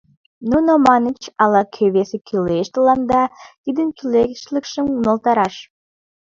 Нуно маньыч, ала-кӧ весе кӱлеш, тыланда тидын кӱлешлыкшым умылтараш.